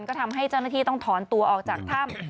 ก็ทำให้เจ้าหน้าที่ต้องถอนตัวออกจากถ้ำ